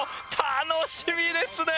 楽しみですね